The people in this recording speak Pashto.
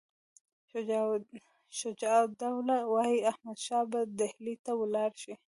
شجاع الدوله وایي احمدشاه به ډهلي ته ولاړ شي.